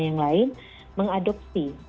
yang lain mengadopsi